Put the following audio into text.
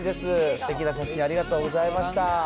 すてきな写真ありがとうございました。